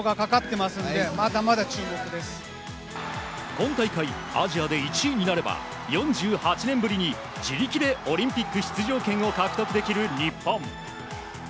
今大会、アジアで１位になれば４８年ぶりに自力でオリンピック出場権を獲得できる日本。